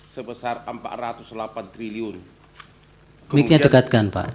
kemudian kemudian kemudian kemudian